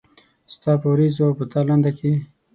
ستا په ورېځو او په تالنده کې